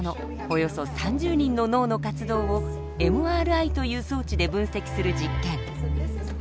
およそ３０人の脳の活動をＭＲＩという装置で分析する実験。